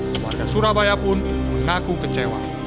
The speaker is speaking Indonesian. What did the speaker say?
keluarga surabaya pun mengaku kecewa